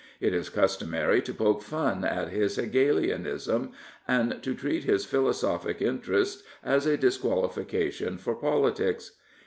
It is customary to poke fun at his Hegelianism and to treat his philosophic interests as a disqualification for politics.